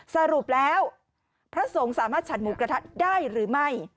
สรุปแล้วพระสงฆ์สามารถฉัดหมูกระทัดได้หรือไม่